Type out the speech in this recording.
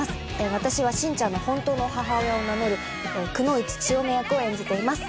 私はしんちゃんの本当の母親を名乗るくノ一ちよめ役を演じています。